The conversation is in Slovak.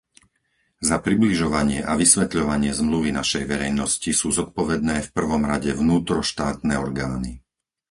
Za približovanie a vysvetľovanie zmluvy našej verejnosti sú zodpovedné v prvom rade vnútroštátne orgány.